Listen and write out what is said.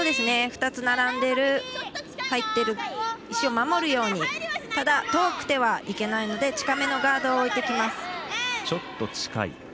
２つ並んでいる入っている石を守るようにただ、遠くてはいけないので近めのガードを置いてきます。